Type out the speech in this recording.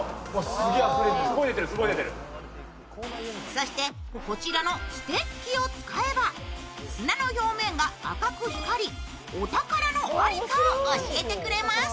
そして、こちらのステッキを使えば砂の表面が赤く光、お宝の在りかを教えてくれます。